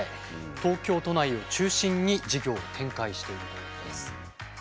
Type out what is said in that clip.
東京都内を中心に事業を展開しているということです。